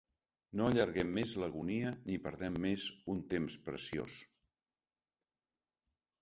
No allarguem més l’agonia ni perdem més un temps preciós.